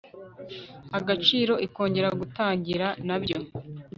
agaciro ikongera gutangira na byo